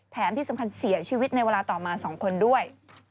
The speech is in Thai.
ที่สำคัญเสียชีวิตในเวลาต่อมา๒คนด้วย